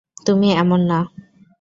তুমি এমন না!